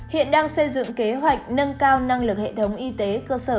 hiện đang xây dựng kế hoạch nâng cao năng lực hệ thống y tế cơ sở